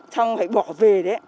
xong phải bỏ về đấy